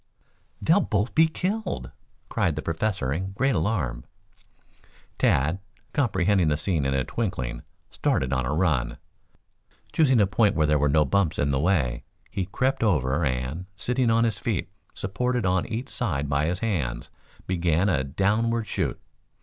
"They'll both be killed!" cried the Professor in great alarm. Tad, comprehending the scene in a twinkling, started on a run. Choosing a point where there were no bumps in the way, he crept over and, sitting on his feet, supported on each side by his hands, began a downward shoot.